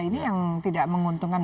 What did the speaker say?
ini yang tidak menguntungkan